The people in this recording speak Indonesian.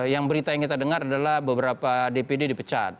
yang berita yang kita dengar adalah beberapa dpd dipecat